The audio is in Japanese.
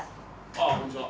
ああこんにちは。